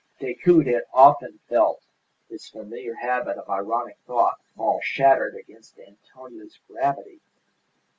Decoud had often felt his familiar habit of ironic thought fall shattered against Antonia's gravity.